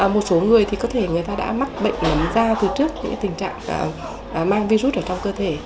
một số người thì có thể người ta đã mắc bệnh nấm da từ trước những tình trạng mang virus ở trong cơ thể